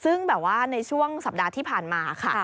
ซึ่งแบบว่าในช่วงสัปดาห์ที่ผ่านมาค่ะ